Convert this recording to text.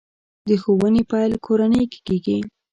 د ښوونې پیل کورنۍ کې کېږي.